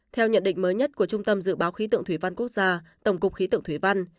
theo nhận định mới nhất của trung tâm dự báo khí tượng thủy văn quốc gia tổng cục khí tượng thủy văn